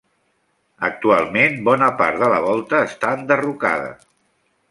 Actualment, bona part de la volta està enderrocada.